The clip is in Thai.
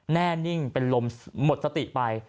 แน่นิ่งเป็นลมหมดสติไป